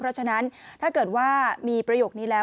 เพราะฉะนั้นถ้าเกิดว่ามีประโยคนี้แล้ว